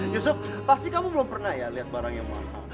yusuf pasti kamu belum pernah ya lihat barang yang mana